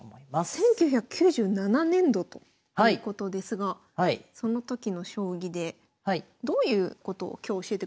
１９９７年度ということですがその時の将棋でどういうことを今日教えてくださるんですか？